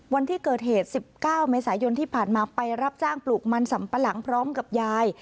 วันที่เกิดเหตุ๑๙เมษายนที่ผ่านมาไปรับจ้างปลูกมันสำปะหลังพร้อมกับยาย